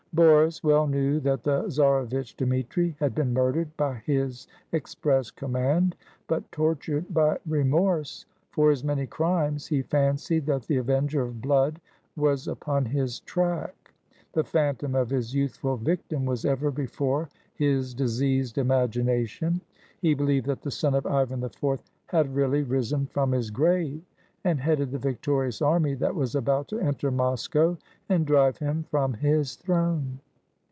Boris well knew that the Czarevitch Dmitri had been murdered by his express command; but, tortured by remorse for his many crimes, he fancied that the avenger of blood was upon his track. The phantom of his youth ful victim was ever before his diseased imagination: he believed that the son of Ivan IV had really risen from his grave, and headed the victorious army that was about to enter Moscow and drive him from his throne.